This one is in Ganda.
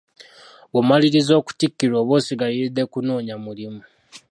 Bw’omaliriza okutikkirwa oba osigalidde kunoonya mulimu.